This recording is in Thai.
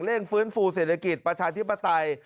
ฟื้นฟูเศรษฐกิจประชาธิปไตย